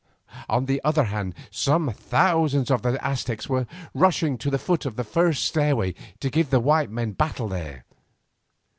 On the other hand some thousands of the Aztecs were rushing to the foot of the first stairway to give the white men battle there.